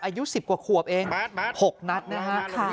อายุ๑๐กว่าขวบเอง๖นัดนะฮะ